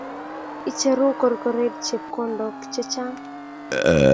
Icheru korkoret chepkondok che chang